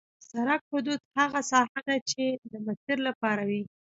د سرک حدود هغه ساحه ده چې د مسیر لپاره وي